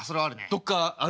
どっかある？